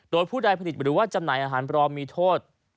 โดยผู้ใดผลิตหรือว่าจำหน่ายอาหารปลอมมีโทษ